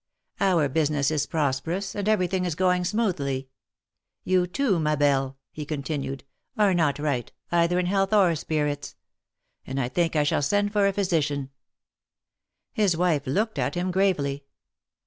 Our business is prosperous, and everything is going smoothly. You too, ma belle,'^ he continued, '^are not right, either in health or spirits; and I think I shall send for a physician His wife looked at him gravely.